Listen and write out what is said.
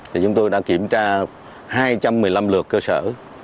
thì chúng tôi đã kiểm tra hai trăm một mươi năm lượt cơ sở